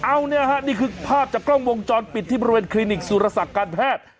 เอาเนี่ยฮะนี่คือภาพจากกล้องวงจรปิดที่บริเวณคลินิกสุรศักดิ์การแพทย์